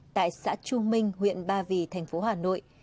tại xã trung minh huyện ba vì thành phố hà nội